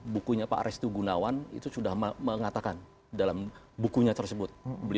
bukunya pak restu gunawan itu sudah mengatakan dalam bukunya tersebut